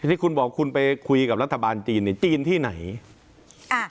ที่คุณบอกคุณไปคุยกับรัฐบาลจีนเนี่ยจีนที่ไหนอ่า